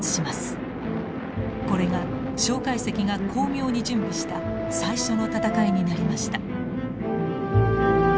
これが介石が巧妙に準備した最初の戦いになりました。